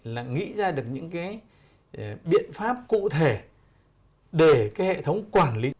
là nghĩ ra được những cái biện pháp cụ thể để cái hệ thống quản lý